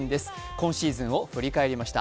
今シーズンを振り返りました。